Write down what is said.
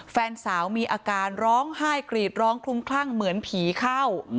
แฟนสาวมีอาการร้องไห้กรีดร้องคลุ้มคลั่งเหมือนผีเข้า